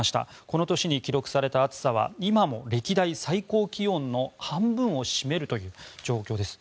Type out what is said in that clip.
この年に記録された暑さは今も歴代最高気温の半分を占めるという状況です。